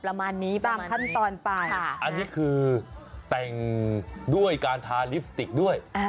ประมาณนี้บางขั้นตอนไปอันนี้คือแต่งด้วยการทาลิปสติกด้วย